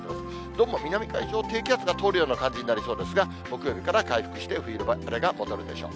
どうも南海上を低気圧が通るような感じになりそうですが、木曜日からは回復して、冬晴れが戻るでしょう。